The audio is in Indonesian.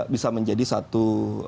bisa menjadi satu